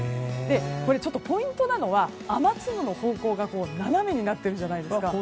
これ、ポイントなのは雨粒の方向が斜めになってるじゃないですか。